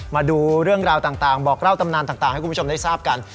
มาดูเรื่องราวต่างบอกเล่าตำนานต่างให้คุณผู้ชมได้ทราบกัน